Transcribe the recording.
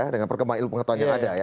dengan perkembang ilmu pengetahuan yang ada